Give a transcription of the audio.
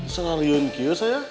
senaraiun kios saya